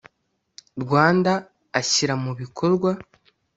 rwanda ashyira mu bikorwa